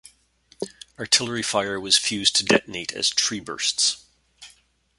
Artillery fire was fused to detonate as tree bursts.